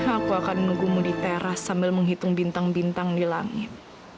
aku akan menunggumu di teras sambil menghitung bintang bintang di langit